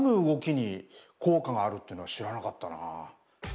動きに効果があるっていうのは知らなかったな。